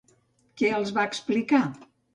Què els va explicar?